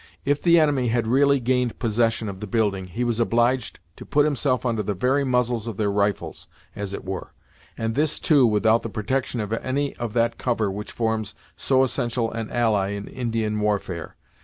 If the enemy had really gained possession of the building he was obliged to put himself under the very muzzles of their rifles, as it were, and this too without the protection of any of that cover which forms so essential an ally in Indian warfare.